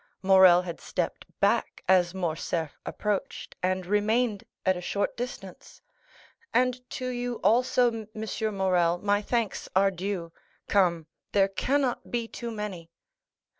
Morrel had stepped back as Morcerf approached, and remained at a short distance. "And to you also, M. Morrel, my thanks are due. Come, there cannot be too many."